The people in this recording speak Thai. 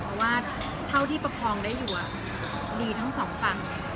เพราะว่าเท่าที่ประคองได้อยู่ดีทั้งสองฝั่ง